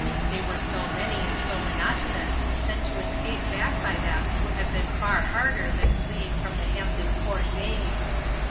They were so many and so monotonous that to escape back by them would have been far harder than fleeing from the Hampton Court maze.